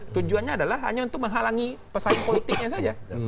tujuannya adalah hanya untuk menghalangi pesan politiknya saja